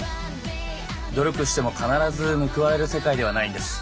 努力しても必ず報われる世界ではないんです。